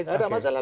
tidak ada masalah